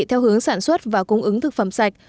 theo hướng sản xuất và cung ứng thực phẩm sạch